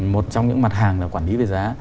một trong những mặt hàng là quản lý về giá